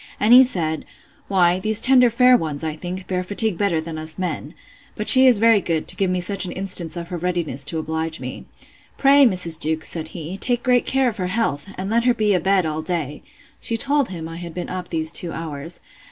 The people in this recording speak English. And he said, Why, these tender fair ones, I think, bear fatigue better than us men. But she is very good, to give me such an instance of her readiness to oblige me. Pray, Mrs. Jewkes, said he, take great care of her health! and let her be a bed all day. She told him I had been up these two hours.